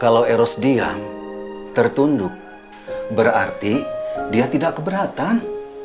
kalau eros diam tertunduk berarti dia tidak keberatan